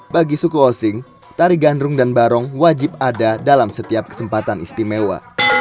bagi suku osing tari gandrung dan barong wajib ada dalam setiap kesempatan istimewa